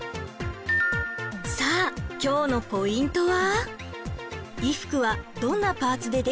さあ今日のポイントは。